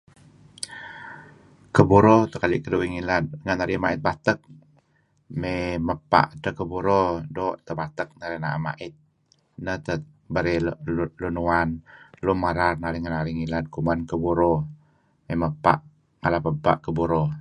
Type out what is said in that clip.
Keburo tah keli' keduih ngilad renga' narih mait batek. May mepa' dteh Keburo doo' teh batek narih naem mait. Neh tah barey lun uan lun merar narih ngen narih. Kuman Keburo may mepa' ngalap ebpa' Keburo.